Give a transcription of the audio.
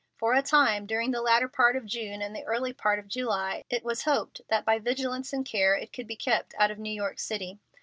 For a time, during the latter part of June and the early part of July, it was hoped that by vigilance and care it could be kept out of New York City.